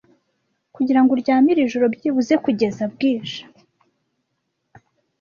Kugirango uryame iri joro, byibuze kugeza bwije.